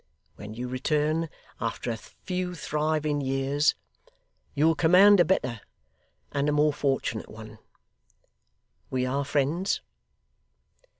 When you return, after a few thriving years, you will command a better, and a more fortunate one. We are friends?